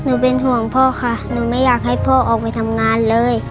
เป็นห่วงพ่อค่ะหนูไม่อยากให้พ่อออกไปทำงานเลย